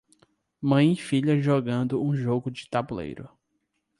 Mãe e filha jogando um jogo de tabuleiro